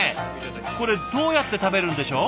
これどうやって食べるんでしょう？